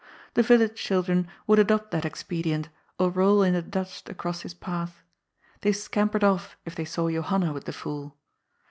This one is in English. The village children would adopt that expedient, or roll in the dust across his path. They scampered off, if they saw Johanna with " the fool."